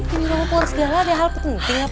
penerawangan segala ada hal penting ya pak